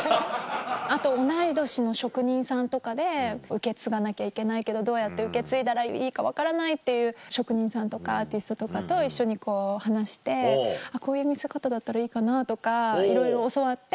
あと同い年の職人さんとかで受け継がなきゃいけないけどどうやって受け継いだらいいか分からないっていう職人さんとかアーティストとかと一緒にこう話してこういう見せ方だったらいいかなとかいろいろ教わって。